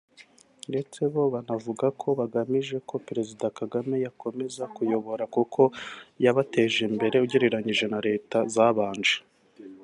ndetse bo banavuga ko bagamije ko Perezida Kagame yakomeza kubayobora kuko yabateje imbere ugereranyije na leta zabanje